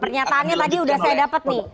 pernyataannya tadi udah saya dapat nih